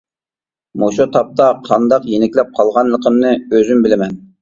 مۇشۇ تاپتا قانداق يېنىكلەپ قالغانلىقىمنى ئۆزۈم بىلىمەن.